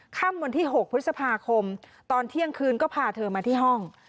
ค่ำวันที่๖พฤษภาคมตอนเที่ยงคืนก็พาเธอมาที่ห้อง